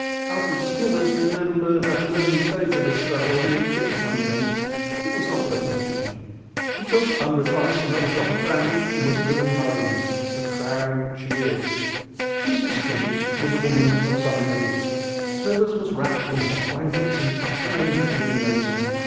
Alfred Smithers remembered at an early stage of the struggle he had kicked something; it was not worth mentioning. He took, under advice, another drop of the brandy, and was driven home. The crowd cheered. Mrs Smithers was a woman of some energy. Smithers was wrapped in hot blankets and tucked away in bed in no time.